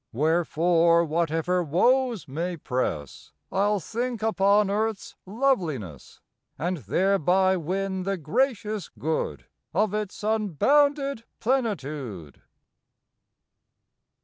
Wherefore, whatever woes may press I ll think upon earth s loveliness And thereby win the gracious good Of its unbounded plenitude.